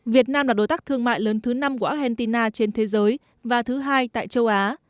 việt nam là đối tác thương mại lớn thứ năm của argentina trên thế giới và thứ hai tại châu á